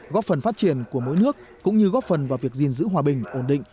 góp phần phát triển của mỗi nước cũng như góp phần vào việc gìn giữ hòa bình ổn định